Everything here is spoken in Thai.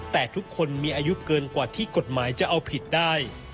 แต่ทุกคนมีอายุเกินกว่าที่กฎหมายจะเอาผิดได้